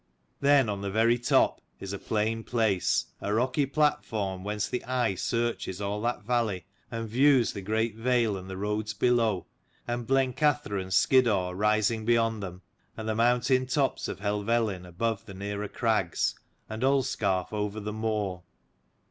Then on the very top is a plain place, a rocky platform, whence the eye searches all that valley and views the great vale and the roads below, and Blencathra and Skiddaw rising beyond them, and the mountain tops of Helvellyn above the nearer crags, and Ullscarf over the moor.